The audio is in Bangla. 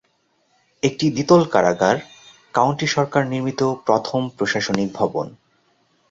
একটি দ্বিতল কারাগার কাউন্টি সরকার নির্মিত প্রথম প্রশাসনিক ভবন।